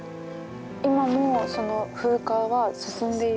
今もその風化は進んでいる？